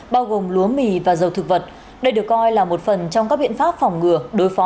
bao gồm lúa mì và dầu thực vật đây được coi là một phần trong các biện pháp phòng ngừa đối phó